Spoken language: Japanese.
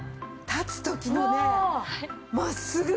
立つ時のね真っすぐ感。